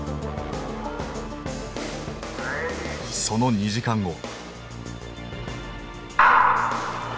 その２時間後。